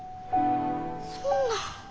そんな。